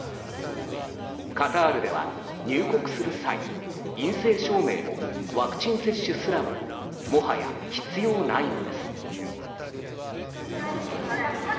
カタールでは入国する際陰性証明もワクチン接種すらももはや必要ないのです。